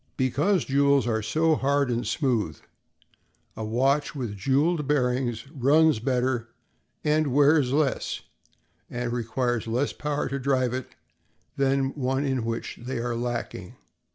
Because jewels are so hard and smooth, a watch with jeweled bearings runs better and wears less and requires less power to drive it, than one in which they are lacking.